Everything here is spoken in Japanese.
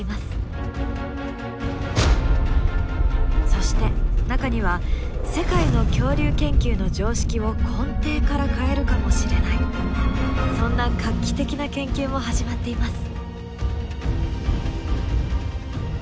そして中には世界の恐竜研究の常識を根底から変えるかもしれないそんな画期的な研究も始まっています。